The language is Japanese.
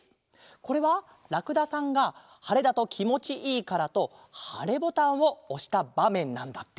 これはらくださんがはれだときもちいいからとはれボタンをおしたばめんなんだって。